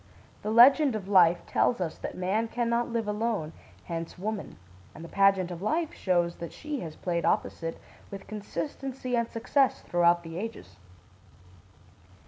The Legend of Life tells us that man can not live alone, hence woman; and the Pageant of Life shows that she has played opposite with consistency and success throughout the ages.